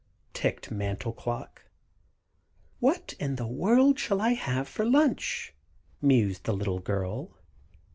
ticked Mantel Clock. "What in the world shall I have for lunch?" mused the little girl.